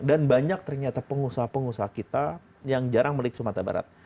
dan banyak ternyata pengusaha pengusaha kita yang jarang melihat sumatera barat